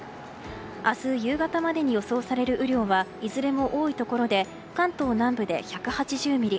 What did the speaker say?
明日夕方までに予想される雨量はいずれも多いところで関東南部で１８０ミリ。